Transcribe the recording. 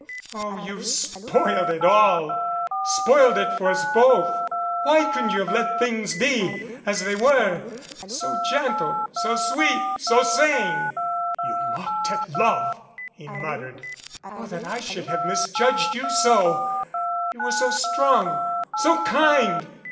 Oh, you've spoiled it all spoiled it for us both. Why couldn't you have let things be as they were so gentle so sweet so sane !" "You mocked at love," he muttered. "Oh, that I should have misjudged you so. You who 248 GREAT PAN IS DEAD were so strong so kind